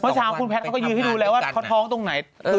เช้าคุณแพทย์เขาก็ยืนให้ดูแล้วว่าเขาท้องตรงไหน